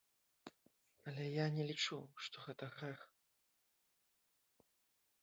Але я не лічу, што гэта грэх.